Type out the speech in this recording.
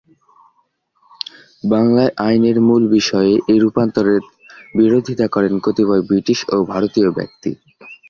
বাংলায় আইনের মূল বিষয়ে এ রূপান্তরের বিরোধিতা করেন কতিপয় ব্রিটিশ ও ভারতীয় ব্যক্তি।